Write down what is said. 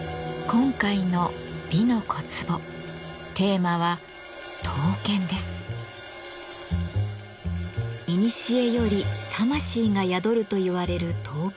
今回の「美の小壺」テーマはいにしえより魂が宿るといわれる刀剣。